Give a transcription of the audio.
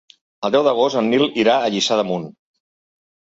El deu d'agost en Nil irà a Lliçà d'Amunt.